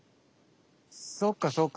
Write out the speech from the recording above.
そっかそっか。